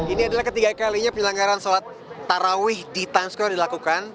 ini adalah ketiga kalinya penyelenggaran sholat tarawih di times squa dilakukan